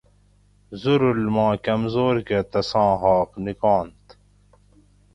زُرول ما کۤمزور کہ تساں حاق نِکانت